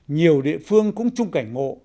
nhiều địa phương cũng trung cảnh ngộ